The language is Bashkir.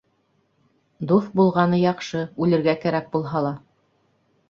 Дуҫ булғаны яҡшы, үлергә кәрәк булһа ла.